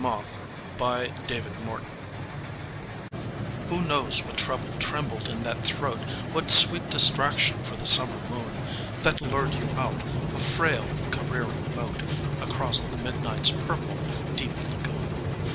ON A DEAD MOTH Who knows what trouble trembled in that throat, What sweet distraction for the summer moon, That lured you out, a frail, careering boat, Across the midnight's purple, deep lagoon!